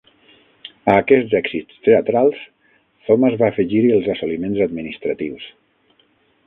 A aquests èxits teatrals, Thomas va afegir-hi els assoliments administratius.